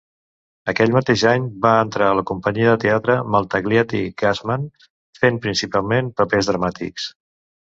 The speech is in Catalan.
Aquell mateix any, va entrar a la companyia de teatre Maltagliati-Gassman, fent principalment papers dramàtics.